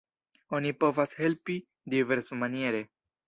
Oni povas helpi diversmaniere.